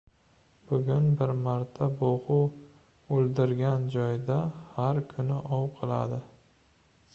• Bugun bir marta bug‘u o‘ldirgan joyda har kuni ov qiladi.